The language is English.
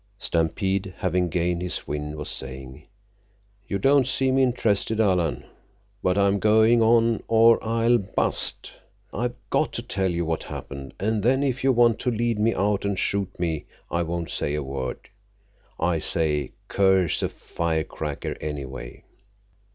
Stampede, having gained his wind, was saying: "You don't seem interested, Alan. But I'm going on, or I'll bust. I've got to tell you what happened, and then if you want to lead me out and shoot me, I won't say a word. I say, curse a firecracker anyway!"